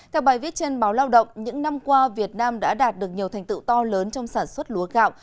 theo bài viết trên báo lao động những năm qua việt nam đã đạt được nhiều thành tựu to lớn trong sản xuất lúa gạo